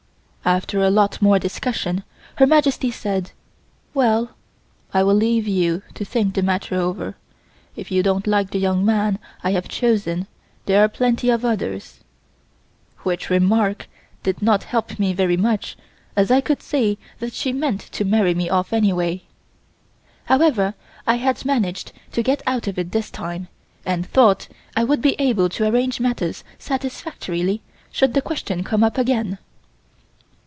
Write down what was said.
After a lot more discussion Her Majesty said: "Well, I will leave you to think the matter over. If you don't like the young man I have chosen there are plenty of others," which remark did not help me very much as I could see that she meant to marry me off anyway. However, I had managed to get out of it this time, and thought I would be able to arrange matters satisfactorily should the question come up again.